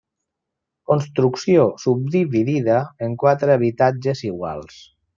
Construcció subdividida en quatre habitatges iguals.